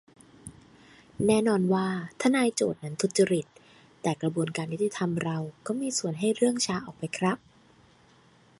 แน่นอนว่าทนายโจทก์นั้นทุจริต แต่กระบวนการยุติธรรมเราก็มีส่วนให้เรื่องช้าออกไปครับ